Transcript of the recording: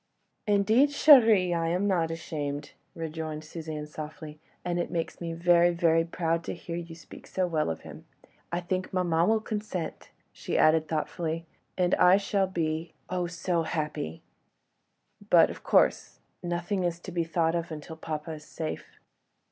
"Indeed, chérie, I am not ashamed," rejoined Suzanne, softly; "and it makes me very, very proud to hear you speak so well of him. I think maman will consent," she added thoughtfully, "and I shall be—oh! so happy—but, of course, nothing is to be thought of until papa is safe.